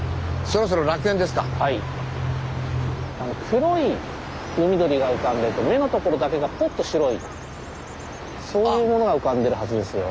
黒い海鳥が浮かんでて目の所だけがポッと白いそういうものが浮かんでるはずですよ。